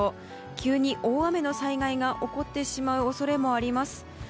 急に大雨の災害が起こってしまう恐れもあります。